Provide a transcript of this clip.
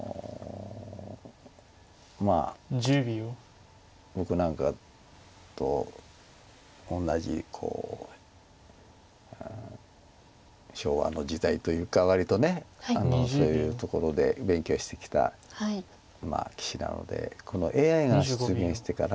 まあ僕なんかと同じ昭和の時代というか割とそういうところで勉強してきた棋士なのでこのＡＩが出現してから。